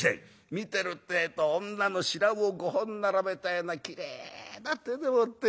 「見てるってえと女の白魚五本並べたようなきれいな手でもってよ